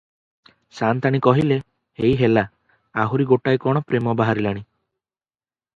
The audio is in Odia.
ସାଆନ୍ତାଣୀ କହିଲେ ହେଇ ହେଲା, ଆହୁରି ଗୋଟାଏ କ’ଣ ପ୍ରେମ ବାହାରିଲାଣି ।